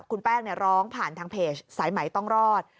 คุณแป้งร้องผ่านทางเพจสายไหมต้องรอด